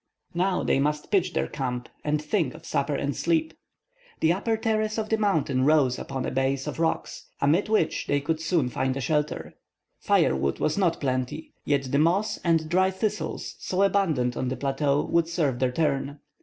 Now they must pitch their camp, and think of supper and sleep. The upper terrace of the mountain rose upon a base of rocks, amid which they could soon find a shelter. Firewood was not plenty, yet the moss and dry thistles, so abundant on the plateau, would serve their turn.